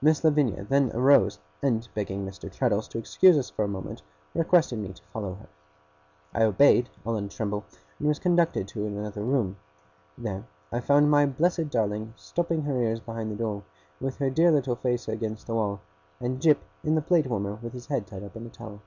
Miss Lavinia then arose, and begging Mr. Traddles to excuse us for a minute, requested me to follow her. I obeyed, all in a tremble, and was conducted into another room. There I found my blessed darling stopping her ears behind the door, with her dear little face against the wall; and Jip in the plate warmer with his head tied up in a towel.